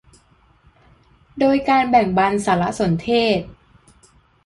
โดยการแบ่งบันสารสนเทศ